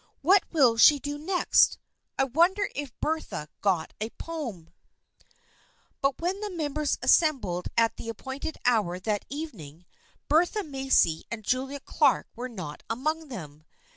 What will she do next ? I wonder if Bertha got a poem." 248 THE FRIENDSHIP OF ANNE But when the members assembled at the ap pointed hour that evening, Bertha Macy and Julia Clark were not among them.